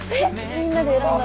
みんなで選んだの。